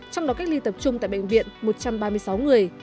trong đó cách ly tập trung tại bệnh viện một trăm ba mươi sáu người